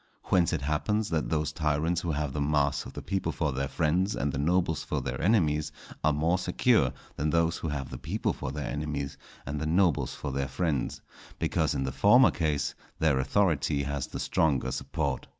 Whence it happens that those tyrants who have the mass of the people for their friends and the nobles for their enemies, are more secure than those who have the people for their enemies and the nobles for their friends; because in the former case their authority has the stronger support.